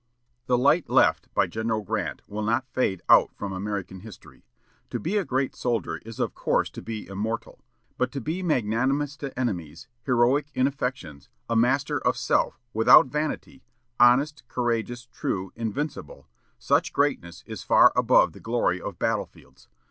The light left by General Grant will not fade out from American history. To be a great soldier is of course to be immortal; but to be magnanimous to enemies, heroic in affections, a master of self, without vanity, honest, courageous, true, invincible, such greatness is far above the glory of battlefields.